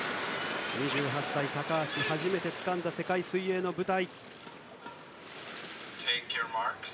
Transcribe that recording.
２８歳、高橋初めてつかんだ世界水泳の舞台。